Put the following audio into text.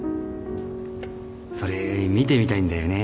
それ見てみたいんだよね